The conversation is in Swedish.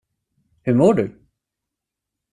Hur mår du?